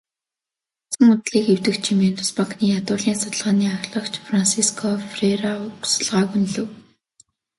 "Тогтсон үзлийг эвдэгч" хэмээн тус банкны ядуурлын судалгааны ахлагч Франсиско Ферреира уг судалгааг үнэлэв.